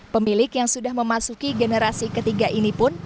pemilik yang sudah memasuki generasi ketiga ini pun